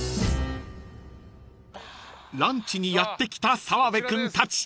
［ランチにやって来た澤部君たち］